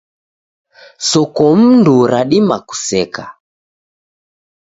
Sokomndu radima kuseka.